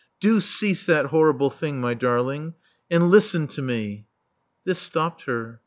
Do cease that horrible thing, my darling, and listen to me.'* This stopped her.